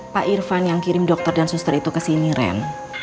pak irfan yang kirim dokter dan suster itu ke sini ren